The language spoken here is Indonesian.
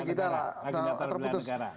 lagi tidak terpilih negara